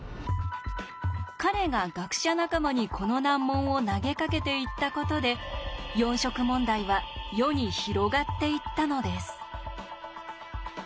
彼が学者仲間にこの難問を投げかけていったことで四色問題は世に広がっていったのです。